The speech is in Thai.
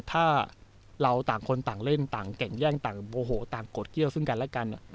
ถ้าเราต่างคนต่างเล่นต่างเก่งแย่งต่างโมโหต่างกดเกี้ยวซึ่งกันและกัน